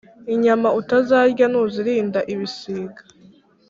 Inyama utazarya ntuzirinda ibisiga